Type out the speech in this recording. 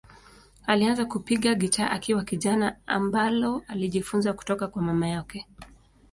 Alianza kupiga gitaa akiwa kijana, ambalo alijifunza kutoka kwa mama yake.